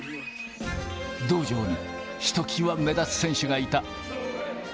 道場にひときわ目立つ選手がいた。